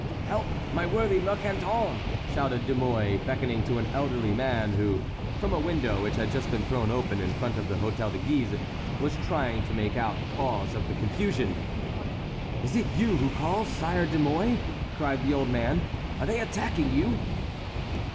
"Help! my worthy Mercandon," shouted De Mouy, beckoning to an elderly man who, from a window which had just been thrown open in front of the Hôtel de Guise, was trying to make out the cause of the confusion. "Is it you who call, Sire de Mouy?" cried the old man: "are they attacking you?"